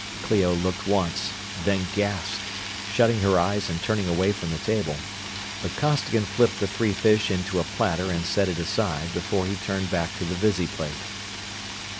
Clio looked once, then gasped, shutting her eyes and turning away from the table, but Costigan flipped the three fish into a platter and set it aside before he turned back to the visiplate.